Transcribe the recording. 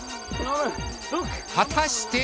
果たして！？